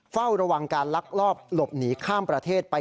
เฝ้าระวังการลักลอบหลบหนีข้ามประเทศไป